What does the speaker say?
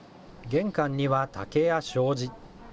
玄関には竹や障子。